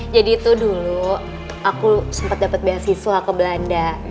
jadi tuh dulu aku sempet dapet beasiswa ke belanda